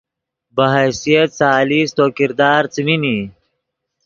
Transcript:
بہ حیثیت ثالث تو کردار څیمین ای